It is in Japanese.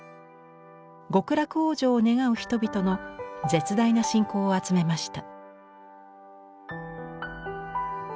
極楽往生を願う人々の絶大な信仰を集めました。